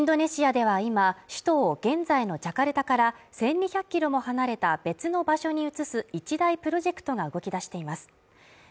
インドネシアでは今首都を現在のジャカルタから１２００キロも離れた別の場所に移す一大プロジェクトが動き出しています。